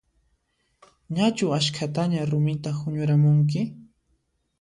Ñachu askhataña rumita huñuramunki?